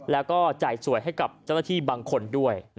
แล้วก็จ่ายสวยให้กับเจ้าหน้าที่บางคนด้วย